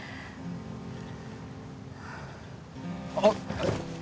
あっ！